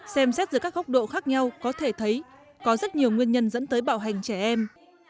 xem xét giữa các góc độ khác nhau có thể thấy có rất nhiều nguyên nhân dẫn tới bạo hành trẻ em